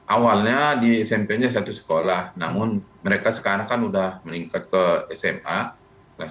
awalnya di smp nya satu sekolah namun mereka sekarang kan sudah meningkat ke sma kelas tiga